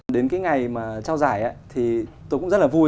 đến cái ngày mà trao giải thì tôi cũng rất là vui